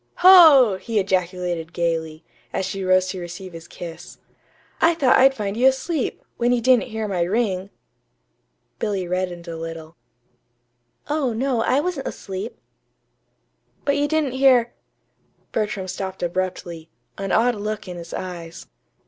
"Ho!" he ejaculated gayly, as she rose to receive his kiss. "I thought I'd find you asleep, when you didn't hear my ring." Billy reddened a little. "Oh, no, I wasn't asleep." "But you didn't hear " Bertram stopped abruptly, an odd look in his eyes.